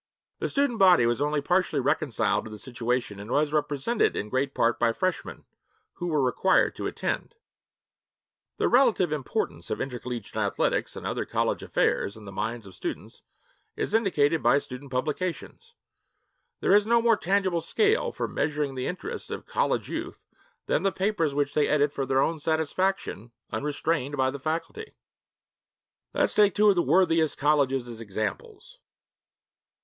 The student body was only partially reconciled to the situation and was represented in great part by Freshmen [who were required to attend].' The relative importance of intercollegiate athletics and other college affairs, in the minds of students, is indicated by student publications. There is no more tangible scale for measuring the interests of college youth than the papers which they edit for their own satisfaction, unrestrained by the faculty. Let us take two of the worthiest colleges as examples.